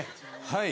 はい。